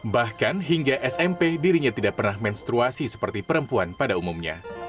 bahkan hingga smp dirinya tidak pernah menstruasi seperti perempuan pada umumnya